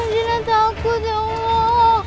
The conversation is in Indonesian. dina takut ya allah